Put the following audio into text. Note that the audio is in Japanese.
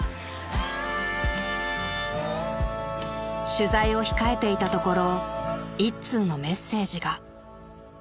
［取材を控えていたところ１通のメッセージが］